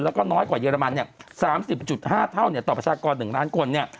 แล้วก็น้อยกว่าเยอรมัน๓๐๕เท่าต่อประชากร๑ล้านคน